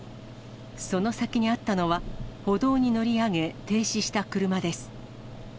その先にあったのは、歩道に乗り上げ、停止した車です。